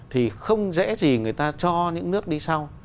thì không dễ gì người ta cho những nước đi sau